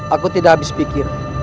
aku tidak habis pikir